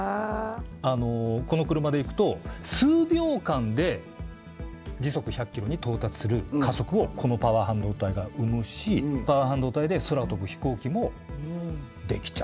この車でいくと数秒間で時速１００ｋｍに到達する加速をこのパワー半導体がうむしパワー半導体で空を飛ぶ飛行機も出来ちゃう。